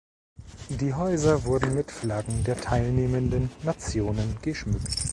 Die Häuser wurden mit Flaggen der teilnehmenden Nationen geschmückt.